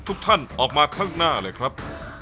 ทุกท่านออกมาข้างหน้าเลยครับ